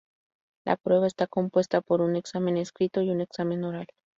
La prueba está compuesta por un examen escrito y un examen oral.